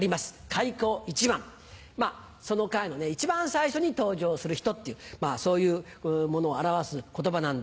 「開口一番」その会の一番最初に登場する人っていうそういうものを表す言葉なんですが。